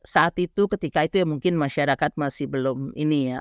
saat itu ketika itu mungkin masyarakat masih belum ini ya